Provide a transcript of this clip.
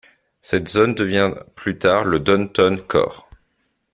Cette zone devient plus tard le Downtown Core.